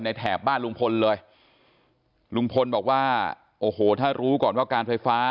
แถบบ้านลุงพลเลยลุงพลบอกว่าโอ้โหถ้ารู้ก่อนว่าการไฟฟ้า